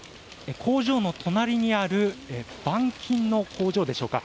工場の隣にある板金の工場でしょうか。